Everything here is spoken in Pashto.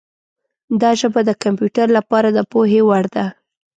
دا ژبه د کمپیوټر لپاره د پوهې وړ ده.